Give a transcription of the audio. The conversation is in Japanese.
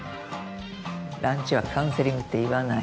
ランチはカウンセリングって言わない。